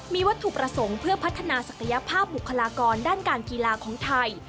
มีวัตถุประสงค์เพื่อพัฒนาศักยภาพบุคลากรด้านการกีฬาของไทย